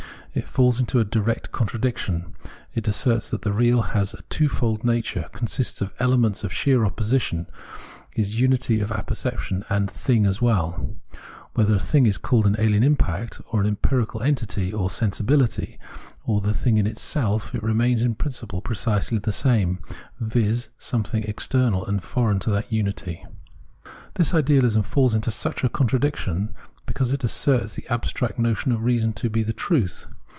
It falls into a direct contradiction ; it asserts that the real has a twofold nature, consists of elements in sheer opposition, is the unity of apperception and a " thing " as well ; whether a thing is called an ahen impact, or an empirical entity, or sensibihty, or the " thing in itself," it remains in principle precisely the same, viz. something external and foreign to that imity. This ideahsm falls into such a contradiction because it asserts the abstract notion of reason to be the truth.